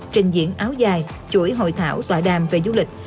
trình diễn áo dài chuỗi hội thảo tòa đàm về du lịch